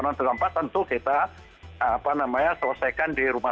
orang terdampak tentu kita apa namanya selesaikan di jakarta